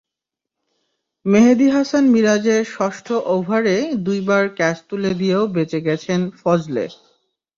মেহেদী হাসান মিরাজের ষষ্ঠ ওভারে দুইবার ক্যাচ তুলে দিয়েও বেঁচে গেছেন ফজলে।